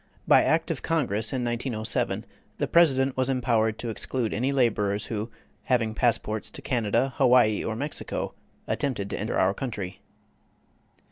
By act of Congress in 1907 the President was empowered to exclude any laborers who, having passports to Canada, Hawaii, or Mexico, attempted to enter our country.